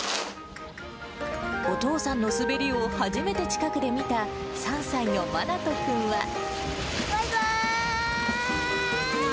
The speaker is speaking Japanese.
お父さんの滑りを初めて近くで見た３歳の愛士くんは。